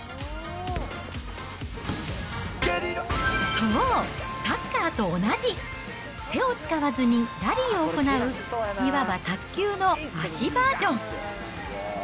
そう、サッカーと同じ、手を使わずにラリーを行う、いわば卓球の脚バージョン。